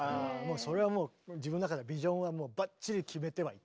それはもう自分の中でビジョンはバッチリ決めてはいた。